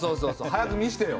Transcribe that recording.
早く見せてよ。